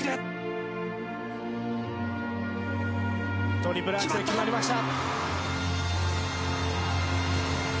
トリプルアクセル決まりました。